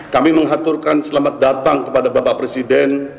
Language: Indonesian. kami mengaturkan selamat datang kepada bapak presiden